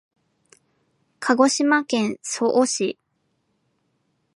鹿児島県曽於市